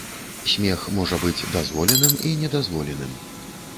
Смех можа быць дазволеным і недазволеным.